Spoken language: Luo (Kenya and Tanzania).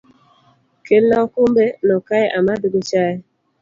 Kelna okombe no kae amadh go chai